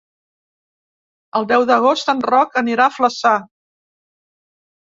El deu d'agost en Roc anirà a Flaçà.